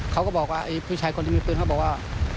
เขาก็บอกว่าไอ้ผู้ชายคนที่มีปืนเขาบอกว่า